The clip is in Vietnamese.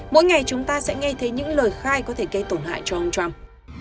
mỗi ngày chúng ta sẽ nghe thấy những lời khai có thể gây tổn hại cho ông trump